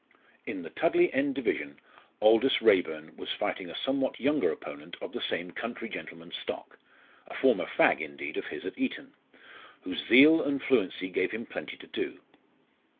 In the Tudley End division, Aldous Raeburn was fighting a somewhat younger opponent of the same country gentleman stock a former fag indeed of his at Eton whose zeal and fluency gave him plenty to do.